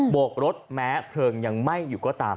โกกรถแม้เพลิงยังไหม้อยู่ก็ตาม